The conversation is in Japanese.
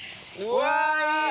うわいい！